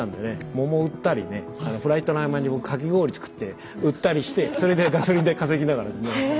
桃売ったりねフライトの合間に僕かき氷作って売ったりしてそれでガソリン代稼ぎながら。